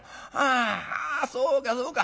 あそうかそうか。